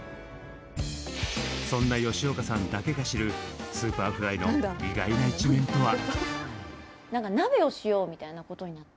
そんな吉岡さんだけが知るＳｕｐｅｒｆｌｙの意外な一面とは。